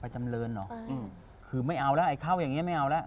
จำเรินเหรออืมคือไม่เอาแล้วไอ้เข้าอย่างเงี้ไม่เอาแล้ว